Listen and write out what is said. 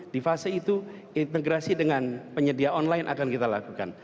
di fase itu integrasi dengan penyedia online akan kita lakukan